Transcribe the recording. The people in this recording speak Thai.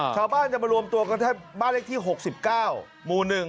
ชาวบ้านจะมารวมตัวกันที่บ้านเลขที่๖๙หมู่๑